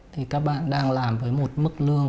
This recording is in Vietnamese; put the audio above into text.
thì các bạn đang làm với một mức lương